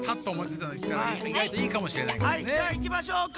はいじゃあいきましょうか。